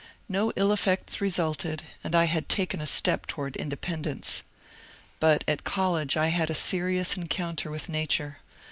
No ill effects resulted, and I had taken a step toward independ ence. But at college I had a serious encounter with Nature.